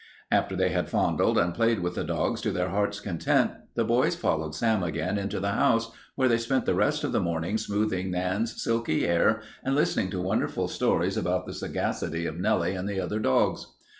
After they had fondled and played with the dogs to their hearts' content, the boys followed Sam again into the house, where they spent the rest of the morning smoothing Nan's silky hair and listening to wonderful stories about the sagacity of Nellie and the other dogs.